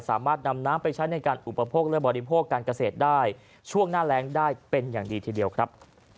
สามารถนำน้ำไปใช้ในการอุปโภคและบริโภคการเกษตรได้ช่วงหน้าแรงได้เป็นอย่างดีทีเดียวครับ